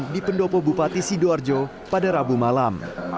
di pendopo bupati sidoarjo pada rabu malam